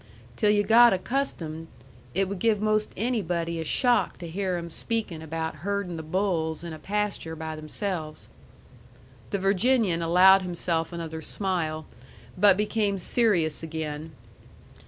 Till yu' got accustomed, it would give 'most anybody a shock to hear 'em speak about herdin' the bulls in a pasture by themselves." The Virginian allowed himself another smile, but became serious again.